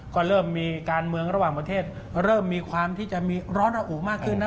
ก็เริ่มมีการเมืองระหว่างประเทศเริ่มมีความที่จะมีร้อนระอุมากขึ้นนะ